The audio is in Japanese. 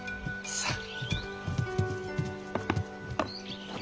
さあ。